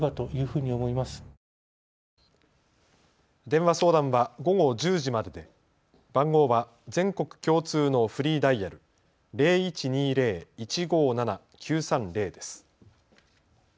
電話相談は午後１０時までで、番号は全国共通のフリーダイヤル０１２０ー１５７−９３０です。